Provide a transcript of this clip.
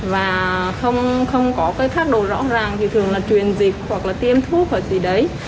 và không có cái thác đồ rõ ràng thì thường là truyền dịch hoặc là tiêm thuốc vào gì đấy